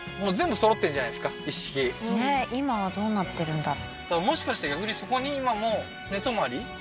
今はどうなってるんだろ？